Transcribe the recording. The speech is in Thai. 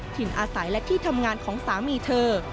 อาศัยและที่ทำงานของสามีเธอ